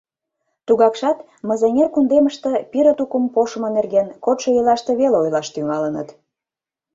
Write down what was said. Тугакшат Мызеҥер кундемыште пире тукым пошымо нерген кодшо ийлаште веле ойлаш тӱҥалыныт.